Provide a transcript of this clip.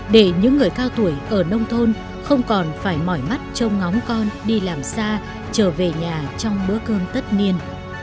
để những người cao tuổi ở nông thôn không còn phải mỏi mắt trông ngóng con đi làm xa trở về nhà trong bữa cơm tất niên